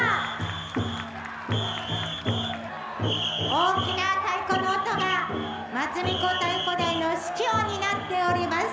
「大きな太鼓の音が松神子太鼓台の指揮を担っております」。